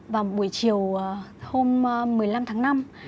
và buổi chiều hôm một mươi năm tháng năm